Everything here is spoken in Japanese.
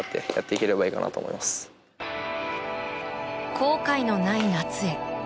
後悔のない夏へ。